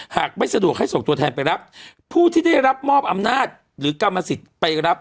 หากไม่สะดวกให้ส่งตัวแทนไปรับผู้ที่ได้รับมอบอำนาจหรือกรรมสิทธิ์ไปรับ